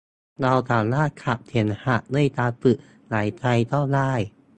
เราสามารถขับเสมหะด้วยการฝึกหายใจก็ได้